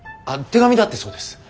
手紙だってそうです。